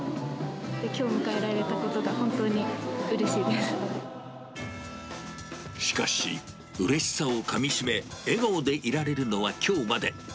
きょうを迎えられたことが本当にしかし、うれしさをかみしめ、笑顔でいられるのは、きょうまで。